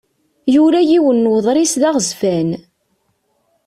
Yura yiwen n uḍris d aɣezzfan.